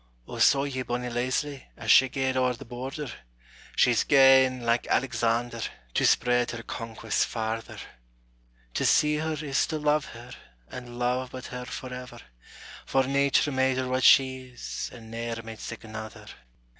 O, saw ye bonnie Leslie As she gaed o'er the border? She's gane, like Alexander, To spread her conquests farther. To see her is to love her, And love but her forever; For nature made her what she is, And ne'er made sic anither!